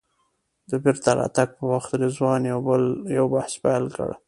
د بېرته راتګ په وخت رضوان یو بحث پیل کړ.